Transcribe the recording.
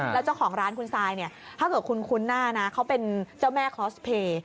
แล้วเจ้าของร้านคุณซายเนี่ยถ้าเกิดคุณคุ้นหน้านะเขาเป็นเจ้าแม่คอสเพย์